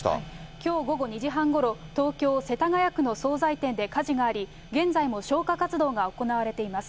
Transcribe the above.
きょう午後２時半ごろ、東京・世田谷区の総菜店で火事があり、現在も消火活動が行われています。